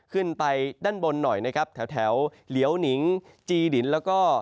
ขึ้นไปด้านบนหน่อยนะครับแถวเหลียวหนิงจีดินแล้วก็